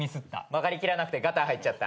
曲がりきらなくてガター入っちゃった。